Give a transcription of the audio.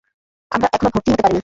আমরা এখনো ভর্তিই হতে পারিনি।